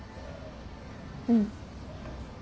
うん。